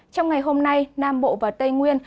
trong ngày hôm nay nam bộ và tây nguyên